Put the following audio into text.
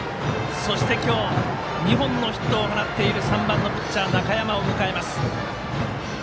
そして、今日２本のヒットを放っている３番のピッチャー、中山を迎えます。